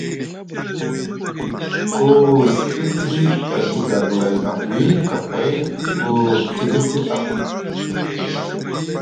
Ku siɗiti edi gaglay agwi kapay ku tikiti Ɵa.